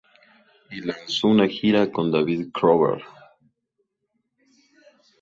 Y lanzó una gira con David Crowder.